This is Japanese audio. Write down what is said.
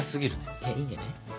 いやいいんじゃない？